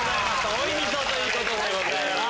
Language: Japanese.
追いみそということでございます。